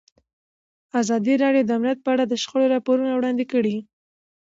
ازادي راډیو د امنیت په اړه د شخړو راپورونه وړاندې کړي.